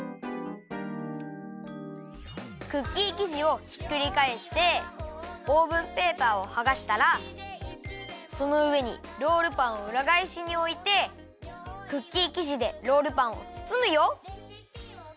クッキーきじをひっくりかえしてオーブンペーパーをはがしたらそのうえにロールパンをうらがえしにおいてクッキーきじでロールパンをつつむよ。